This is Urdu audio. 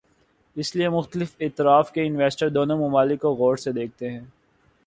اس لیے مختلف اطراف کے انویسٹر دونوں ممالک کو غور سے دیکھتے ہیں۔